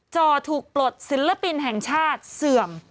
จอถูกปลดศิลปินแห่งชาติเสื่อม